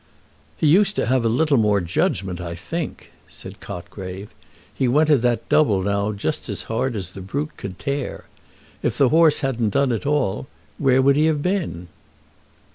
"He used to have a little more judgment, I think," said Cotgrave. "He went at that double just now as hard as the brute could tear. If the horse hadn't done it all, where would he have been?"